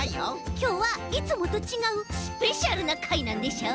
きょうはいつもとちがうスペシャルなかいなんでしょう？